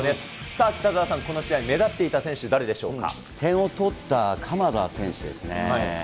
さあ、北澤さん、この試合目立っ点を取った鎌田選手ですね。